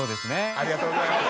ありがとうございます。